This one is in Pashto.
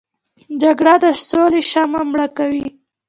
جګړه د سولې شمعه مړه کوي